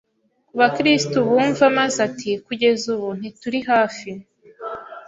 ku bakristu bumva maze ati Kugeza ubu ntituri hafi